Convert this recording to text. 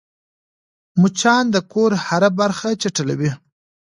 مچان د کور هره برخه چټلوي